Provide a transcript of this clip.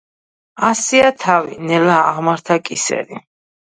ასწია თავი, ნელა აღმართა კისერი.